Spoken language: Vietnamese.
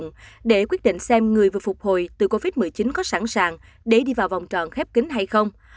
ông mccloskey đã quyết định xem người vượt phục hồi từ covid một mươi chín có sẵn sàng để đi vào vòng tròn khép kính hay không